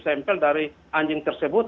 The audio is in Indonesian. sampel dari anjing tersebut